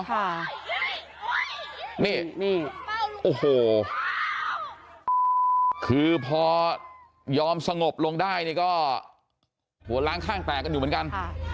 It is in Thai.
ค่ะนี่โอ้โหคือพอยอมสงบลงได้นี่ก็หัวล้างข้างแตกกันอยู่เหมือนกัน